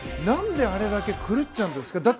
なんであれだけ狂っちゃうんですか？